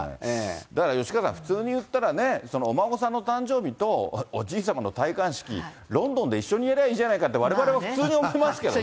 だから吉川さん、普通にいったらね、お孫さんの誕生日とおじい様の戴冠式、ロンドンで一緒にやりゃあいいじゃないかと、われわれは普通に思いますけどね。